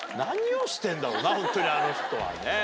ホントにあの人はね。